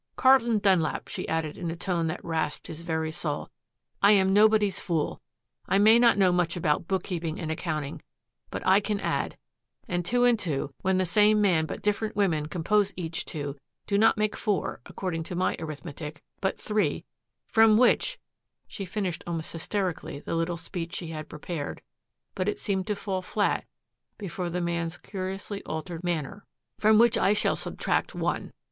"Carlton Dunlap," she added in a tone that rasped his very soul, "I am nobody's fool. I may not know much about bookkeeping and accounting, but I can add and two and two, when the same man but different women compose each two, do not make four, according to my arithmetic, but three, from which," she finished almost hysterically the little speech she had prepared, but it seemed to fall flat before the man's curiously altered manner "from which I shall subtract one."